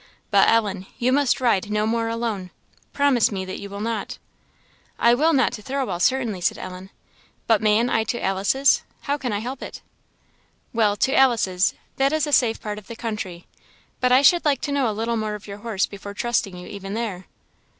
But, Ellen, you must ride no more alone. Promise me that you will not." "I will not to Thirlwall, certainly," said Ellen "but mayn't I to Alice's? how can I help it?" "Well to Alice's that is a safe part of the country; but I should like to know a little more of your horse before trusting you even there."